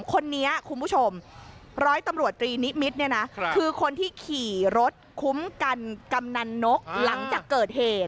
คนนี้คุณผู้ชมร้อยตำรวจตรีนิมิตรเนี่ยนะคือคนที่ขี่รถคุ้มกันกำนันนกหลังจากเกิดเหตุ